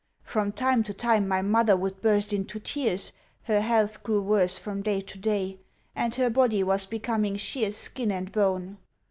From time to time my mother would burst into tears, her health grew worse from day to day, and her body was becoming sheer skin and bone.